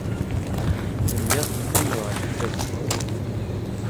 Telliḍ teqqimeḍ ɣef yifadden.